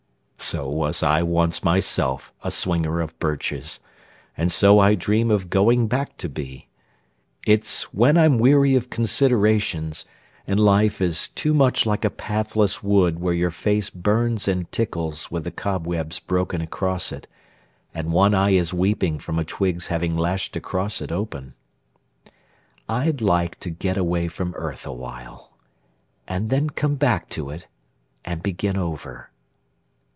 So was I once myself a swinger of birches. And so I dream of going back to be. It's when I'm weary of considerations, And life is too much like a pathless wood Where your face burns and tickles with the cobwebs Broken across it, and one eye is weeping From a twig's having lashed across it open. I'd like to get away from earth awhile And then come back to it and begin over.